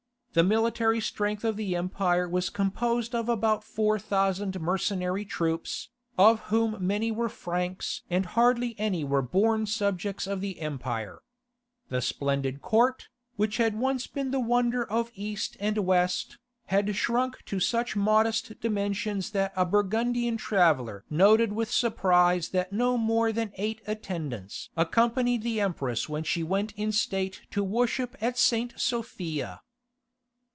The military strength of the empire was composed of about four thousand mercenary troops, of whom many were Franks and hardly any were born subjects of the empire. The splendid court, which had once been the wonder of East and West, had shrunk to such modest dimensions that a Burgundian traveller noted with surprise that no more than eight attendants accompanied the empress when she went in state to worship in St. Sophia.